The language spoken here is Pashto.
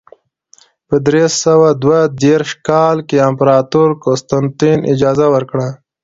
په درې سوه دوه دېرش کال کې امپراتور قسطنطین اجازه ورکړه.